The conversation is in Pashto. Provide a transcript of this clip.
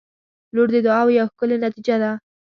• لور د دعاوو یوه ښکلي نتیجه ده.